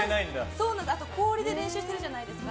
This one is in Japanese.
あと、氷で練習してるじゃないですか。